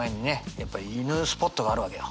やっぱり犬スポットがあるわけよ。